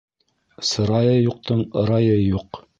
Сырайы юҡтың ырайы юҡ.